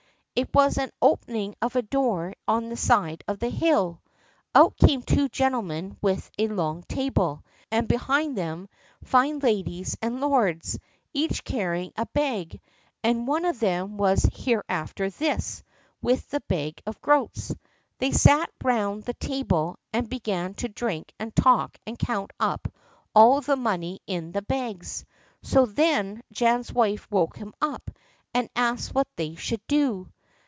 It was an opening of a door in the side of the hill. Out came two gentlemen with a long table, and behind them fine ladies and lords, each carrying a bag, and one of them was Hereafterthis with the bag of groats. They sat round the table, and began to drink and talk and count up all the money in the bags. So then Jan's wife woke him up, and asked what they should do.